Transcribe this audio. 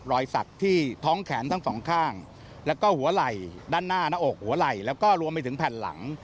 รอยสักที่ท้องแขนทั้งสองข้างแล้วก็หัวไหล่ด้านหน้าหน้าอกหัวไหล่แล้วก็รวมไปถึงแผ่นหลัง